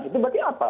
itu berarti apa